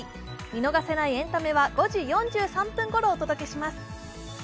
見逃せないエンタメは５時４３分ごろお伝えします。